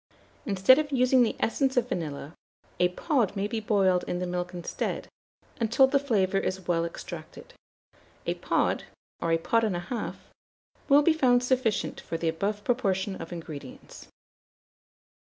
Instead of using the essence of vanilla, a pod may be boiled in the milk instead, until the flavour is well extracted. A pod, or a pod and a half, will be found sufficient for the above proportion of ingredients.